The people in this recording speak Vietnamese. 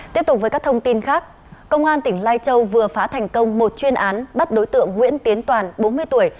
tiếp tục với các thông tin khác công an tỉnh lai châu vừa phá thành công một chuyên án bắt đối tượng nguyễn tiến toàn bốn mươi tuổi